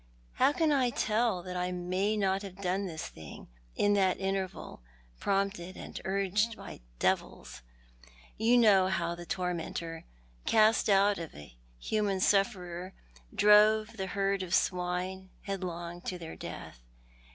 How can I tell that I may not have done this thing, in that interval, prompted and urged by devils ? You know how the tormentor — cast out of a human sufferer — drove the herd of swine headlong to their death.